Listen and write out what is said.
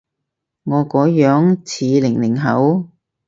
我個樣似零零後？